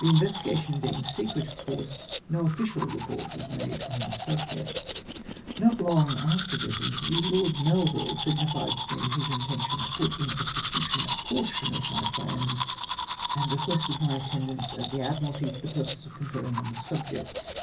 The investigation being secret, of course no official report was made on the subject. Xot long after this interview Lord Melville signified to me his intention to put in execution a pxrrtion of my plans, and requested my attendance at the Admiralty foi' the purpose of conferring on the subject.